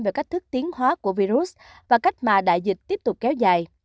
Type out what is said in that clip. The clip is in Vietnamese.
về cách thức tiến hóa của virus và cách mà đại dịch tiếp tục kéo dài